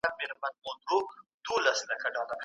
وايي تبلیغ دی د کافرانو.